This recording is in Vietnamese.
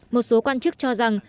một số quan chức cho rằng